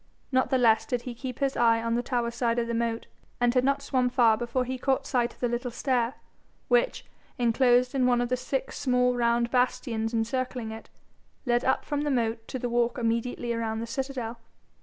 Not the less did he keep his eye on the tower side of the moat, and had not swum far before he caught sight of the little stair, which, enclosed in one of the six small round bastions encircling it, led up from the moat to the walk immediately around the citadel.